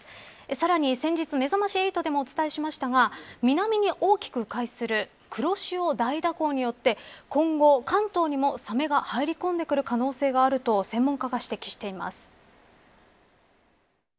さらに先日、めざまし８でもお伝えしましたが南に大きくう回する黒潮大蛇行によって今後、関東にもサメが入り込んでくる可能性があると専門家が指摘しています。